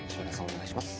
お願いします。